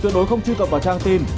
tuyệt đối không truy cập vào trang tin